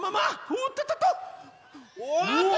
おっとっとっとっと。